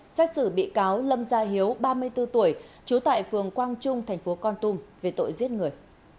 xét xử bị cáo lâm gia hiếu ba mươi bốn tuổi trú tại phường quang trung thành phố con tum về tội giết người